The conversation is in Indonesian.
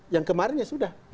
yang kemarin ya sudah